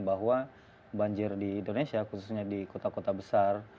bahwa banjir di indonesia khususnya di kota kota besar